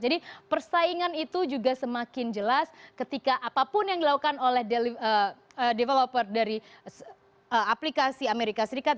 persaingan itu juga semakin jelas ketika apapun yang dilakukan oleh developer dari aplikasi amerika serikat